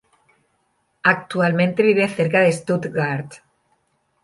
Actualmente vive cerca de Stuttgart.